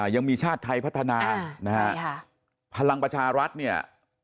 ยังมีชาติไทยพัฒนานะฮะพลังประชารัฐเนี่ย